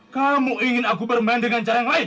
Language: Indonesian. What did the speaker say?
kamu ingin aku bermain dengan cara yang lain